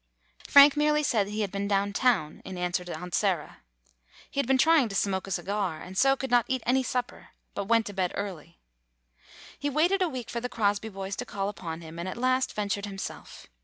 Frank merely said he had been down town, in answer to Aunt Sarah. He had been trying to smoke a cigar, and so could not eat any sup per, but went to bed early. [ 110 ] GONE ASTRAY He waited a week for the Crosby boys to call upon him, and at last ventured himself.